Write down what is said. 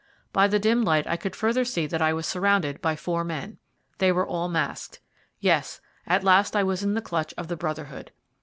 By the dim light I could further see that I was surrounded by four men. They were all masked. Yes, at last I was in the clutch of the Brotherhood.